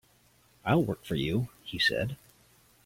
"I'll work for you," he said.